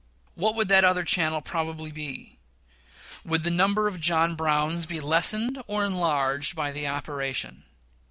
What would that other channel probably be? Would the number of John Browns be lessened or enlarged by the operation?